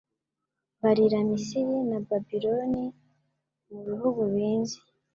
«Mbarira Misiri na Babiloni mu bihugu binzi